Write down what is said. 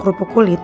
pagi rara yucin